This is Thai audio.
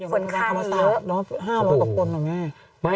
ฝนคันเยอะห้าบนตกกลลงไง